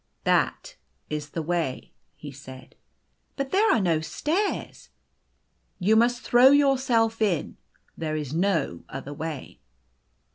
" That is the way," he said. " But there are no stairs." " You must throw yourself in. There is no other way."